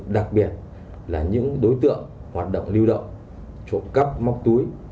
đặc biệt là những đối tượng hoạt động lưu động trộm cắp móc túi